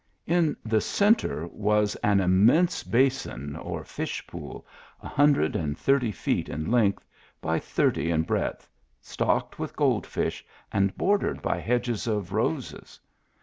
In the centre was an immense basin, or fish pool, a hundred and thirty feet in length, by thirty in breadth, stocked with gold fish, and bordered by hedges of roses.